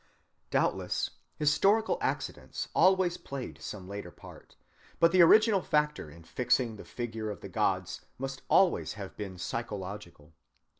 Doubtless historic accidents always played some later part, but the original factor in fixing the figure of the gods must always have been psychological.